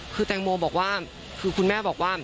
คือแตงโมบอกว่าคือคุณแม่บอกว่า